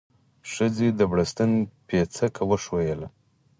ښځې د بړستن پيڅکه وښويوله.